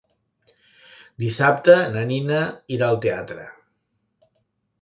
Dissabte na Nina irà al teatre.